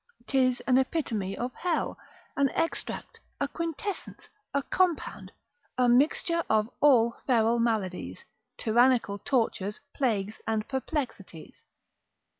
'Tis an epitome of hell, an extract, a quintessence, a compound, a mixture of all feral maladies, tyrannical tortures, plagues, and perplexities.